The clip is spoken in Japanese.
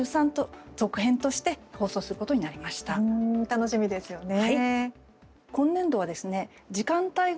楽しみですよね。